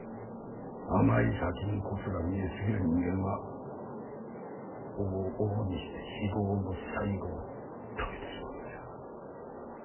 あまい先んこつが見え過ぎる人間は往々にして非業の最期を遂げてしまうとじゃ。